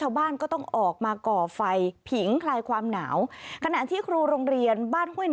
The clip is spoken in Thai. ให้นักเรียน